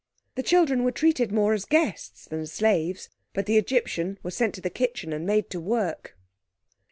The children were treated more as guests than as slaves, but the Egyptian was sent to the kitchen and made to work.